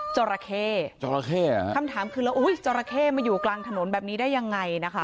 จราเข้จราเข้คำถามคือแล้วอุ้ยจราเข้มาอยู่กลางถนนแบบนี้ได้ยังไงนะคะ